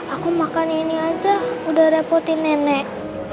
aku makan ini aja udah repotin nenek